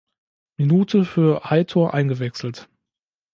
Minute für Heitor eingewechselt.